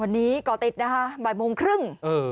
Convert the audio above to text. วันนี้ก่อติดนะคะบ่ายโมงครึ่ง